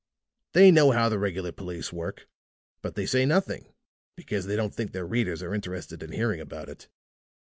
They know how the regular police work; but they say nothing because they don't think their readers are interested in hearing about it.